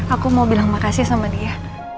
aku mau bilang makasih sama dia